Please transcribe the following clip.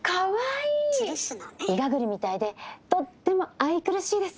いがぐりみたいでとっても愛くるしいです。